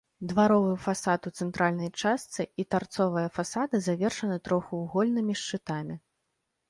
Дваровы фасад у цэнтральнай частцы і тарцовыя фасады завершаны трохвугольнымі шчытамі.